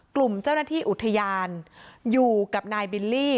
กลุ่มเจ้าหน้าที่อุทยานอยู่กับนายบิลลี่